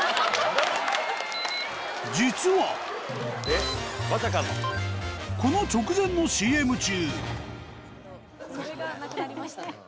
実はこの直前のＣＭ中なぁ？なぁ？